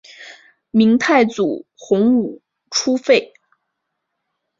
明太祖洪武初废。